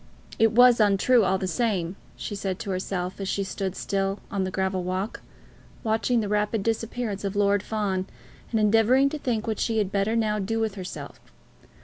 "It was untrue all the same," she said to herself, as she stood still on the gravel walk, watching the rapid disappearance of Lord Fawn, and endeavouring to think what she had better now do with herself.